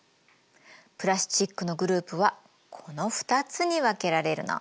プラスチックのグループはこの２つに分けられるの。